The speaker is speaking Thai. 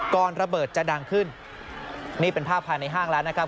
ระเบิดจะดังขึ้นนี่เป็นภาพภายในห้างแล้วนะครับ